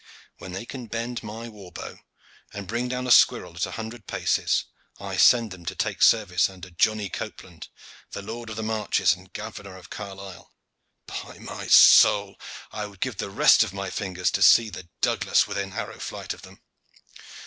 "When they can bend my war bow, and bring down a squirrel at a hundred paces, I send them to take service under Johnny Copeland, the Lord of the Marches and Governor of Carlisle. By my soul! I would give the rest of my fingers to see the Douglas within arrow flight of them."